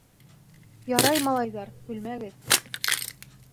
— Ярай, малайҙар көлмәгеҙ!